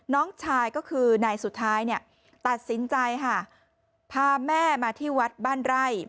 น้องชายก็คือในสุดท้ายตัดสินใจพาแม่มาที่วัดบ้านไร่